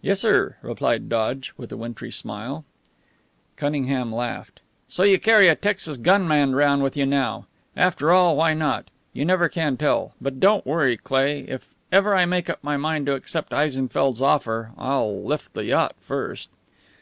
"Yes, sir," replied Dodge, with a wintry smile. Cunningham laughed. "So you carry a Texas gunman round with you now? After all, why not? You never can tell. But don't worry, Cleigh. If ever I make up my mind to accept Eisenfeldt's offer, I'll lift the yacht first."